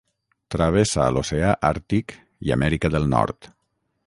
Travessa l'Oceà Àrtic i Amèrica del Nord.